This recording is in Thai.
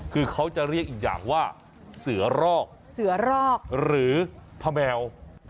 คือเขาจะเรียกอีกอย่างว่าเสือรอกเสือรอกหรือพระแมว